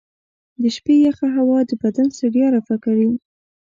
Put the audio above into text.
د شپې یخه هوا د بدن ستړیا رفع کوي.